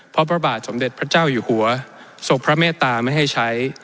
เพราะพระบาทสมเด็จพระเจ้าอยู่หัวทรงพระเมตตาไม่ให้ใช้